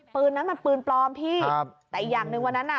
ปืนนั้นมันปืนปลอมพี่ครับแต่อีกอย่างหนึ่งวันนั้นอ่ะ